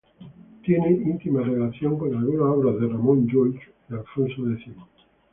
Tiene íntima relación con algunas obras de Ramon Llull y Alfonso X